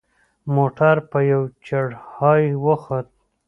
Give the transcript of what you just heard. موټر په یوه چړهایي وخوت.